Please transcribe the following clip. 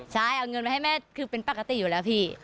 ใช่เอาเงินมาให้แม่คือเป็นปกติอยู่แล้วพี่